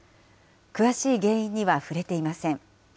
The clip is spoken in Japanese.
詳しい原因には触れていません。